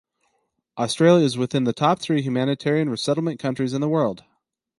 Australia is within the top three humanitarian resettlement countries in the world.